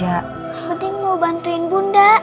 ya penting mau bantuin bunda